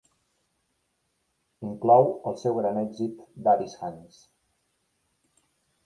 Inclou el seu gran èxit "Daddy's Hands".